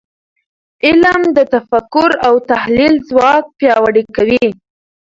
علم د تفکر او تحلیل ځواک پیاوړی کوي .